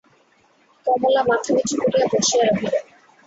কমলা মাথা নিচু করিয়া বসিয়া রহিল।